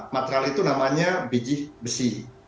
material itu namanya biji besi